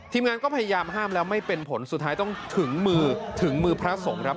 ทีมงานก็พยายามห้ามแล้วไม่เป็นผลสุดท้ายต้องถึงมือถึงมือพระสงฆ์ครับ